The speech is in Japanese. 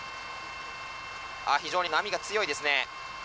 非常に波が強いですね。